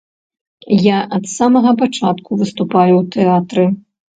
Я ад самага пачатку выступаю ў тэатры.